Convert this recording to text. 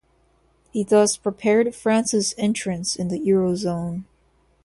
He thus prepared France's entrance in the euro zone.